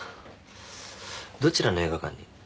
どちらの映画館に？